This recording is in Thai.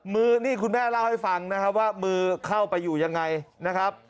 มือนี่คุณแม่เล่าให้ฟังนะครับว่ามือเข้าไปอยู่ยังไงนะครับ